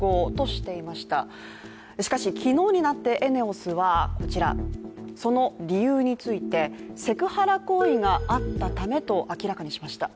しかし昨日になってＥＮＥＯＳはその理由について、セクハラ行為があったためと明らかにしました。